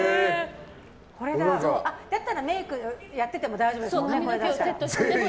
だったらメイクをやってても大丈夫だもんね。